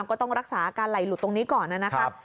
ก็ต้องรักษาอาการไหลหลุดตรงนี้ก่อนนะครับ